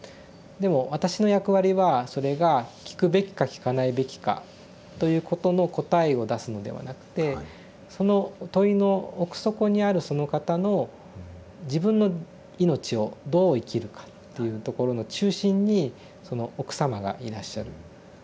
でも私の役割はそれが聞くべきか聞かないべきかということの答えを出すのではなくてその問いの奥底にあるその方の自分の命をどう生きるかっていうところの中心にその奥様がいらっしゃる。